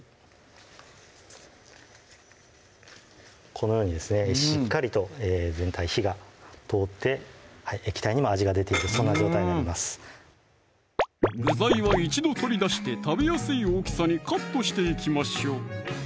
このようにですねしっかりと全体に火が通って液体にも味が出ているそんな状態になります具材は一度取り出して食べやすい大きさにカットしていきましょう